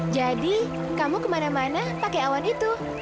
jadi kamu kemana mana pakai awan itu